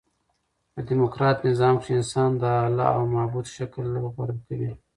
په ډیموکراټ نظام کښي انسان د اله او معبود شکل غوره کوي.